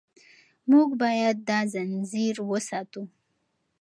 موږ باید دا ځنځیر وساتو.